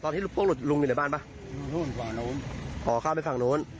ตอนนี้พวกลุงอยู่ในบ้านป่ะอยู่ทุ่มฝั่งโน้นอ๋อเข้าไปฝั่งโน้น